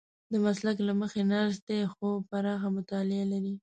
د مسلک له مخې نرس دی خو پراخه مطالعه لري.